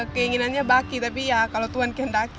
keinginannya baki tapi ya kalau tuhan kehendaki